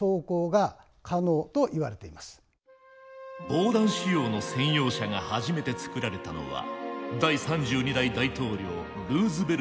防弾仕様の専用車が初めて作られたのは第３２代大統領ルーズベルトの時。